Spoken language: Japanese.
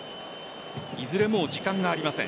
いずれ時間がありません。